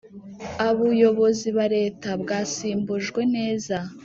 abuyubozi bareta bwasimbujwe neza